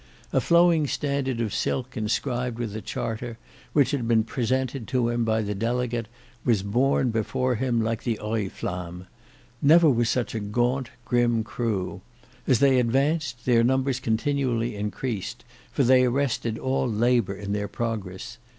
A flowing standard of silk inscribed with the Charter, and which had been presented to him by the delegate, was borne before him like the oriflamme. Never was such a gaunt, grim crew. As they advanced their numbers continually increased, for they arrested all labour in their progress.